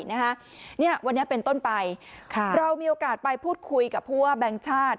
วันนี้เป็นต้นไปเรามีโอกาสไปพูดคุยกับพวกแบงก์ชาติ